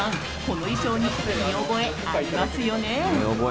この衣装に見覚えありますよね？